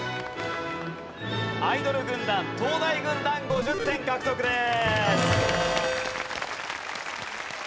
アイドル軍団東大軍団５０点獲得です。